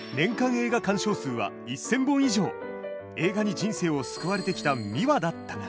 映画に人生を救われてきたミワだったが。